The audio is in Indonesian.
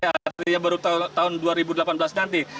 artinya baru tahun dua ribu delapan belas nanti